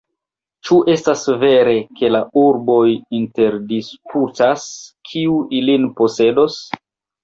Ĉu estas vere, ke la urboj interdisputas, kiu ilin posedos?